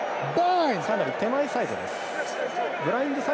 かなり手前サイドです。